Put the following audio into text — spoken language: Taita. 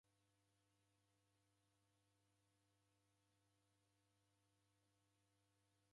Ni angu w'ori agha matuku ndoudedaa w'ei w'ada.